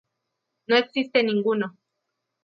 No existe ninguno.